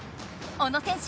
小野選手